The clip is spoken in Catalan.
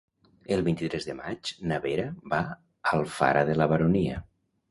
El vint-i-tres de maig na Vera va a Alfara de la Baronia.